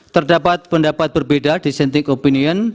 terdapat pendapat berbeda di sentik opinion